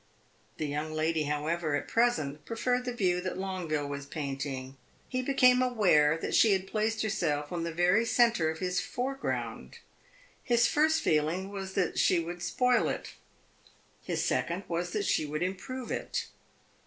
The young lady, however, at present preferred the view that Longueville was painting; he became aware that she had placed herself in the very centre of his foreground. His first feeling was that she would spoil it; his second was that she would improve it.